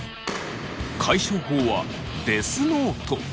解消法はデスノート！